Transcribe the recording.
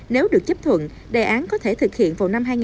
nếu được chấp thuận đề án có thể thực hiện vào năm